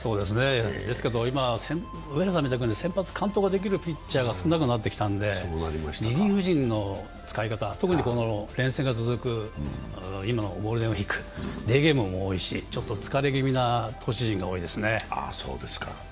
ですけど今、上原さんみたいに先発、監督できる選手が少なくなってきたんで、リリーフ陣の使い方、特に遠征が続く今、ゴールデンウイーク、デーゲームも多いし、ちょっと疲れ気味な投手陣が多いですね。